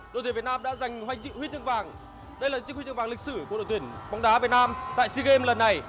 đội tuyển việt nam đã giành hoành trị huy chương vàng đây là chiếc huy chương vàng lịch sử của đội tuyển bóng đá việt nam tại sea games lần này